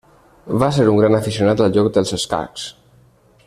Va ser un gran aficionat al joc dels escacs.